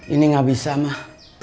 ini gak bisa mah